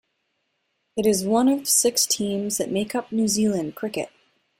It is one of six teams that make up New Zealand Cricket.